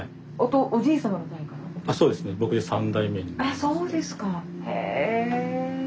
あそうですか。へ。